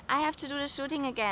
aku harus kembali ke syuting